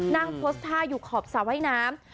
นั่งโพสตาร์อยู่ขอบสาวว่ายน้ำ